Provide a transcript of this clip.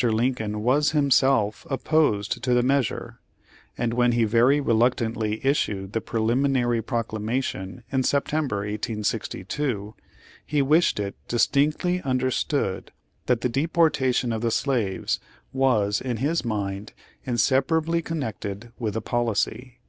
Lin coln was himself opposed to the measure, and when he very reluctantly issued the preliminary proclamation in September, 1862, he wished it distinctly understood that the deportation of the slaves was, in his mind, inseparably connected with the policy."